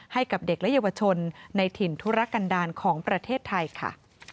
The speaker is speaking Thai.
ให้กับเด็กและเยาวชนในถิ่นธุรกันดาลของประเทศไทยค่ะ